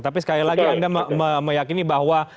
tapi sekali lagi anda meyakini bahwa